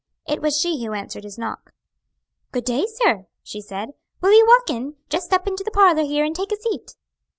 It was she who answered his knock. "Good day, sir," she said. "Will you walk in? Just step into the parlor here, and take a seat."